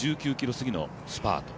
１９ｋｍ過ぎのスパート。